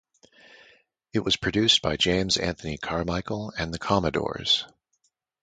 It was produced by James Anthony Carmichael and the Commodores.